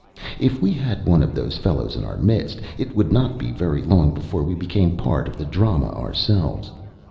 If we had one of those fellows in our midst, it would not be very long before we became part of the drama ourselves.